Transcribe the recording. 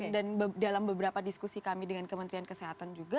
dan dalam beberapa diskusi kami dengan kementerian kesehatan juga